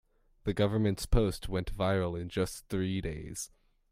The government's post went viral in just three days.